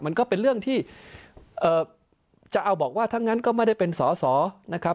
มันก็เป็นเรื่องที่จะเอาบอกว่าถ้างั้นก็ไม่ได้เป็นสอสอนะครับ